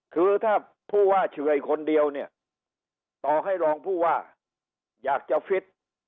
คือถ้าผู้ว่าเฉื่อยคนเดียวเนี่ยต่อให้รองผู้ว่าอยากจะฟิต